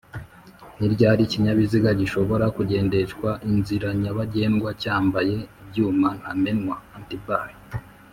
ni ryari ikinyabiziga gishobora kugendeshwa inziranyabagendwa cyambaye ibyuma ntamenwa (anti-bar)